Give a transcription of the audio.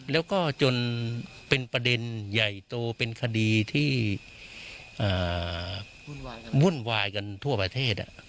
แล้วก็จนเป็นประเด็นใหญ่โตเป็นคดีที่วุ่นวายกันทั่วประเทศ